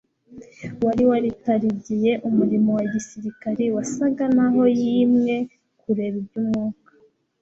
wari waritarigiye umurimo wa gisirikari wasaga naho yimwe kureba iby'umwuka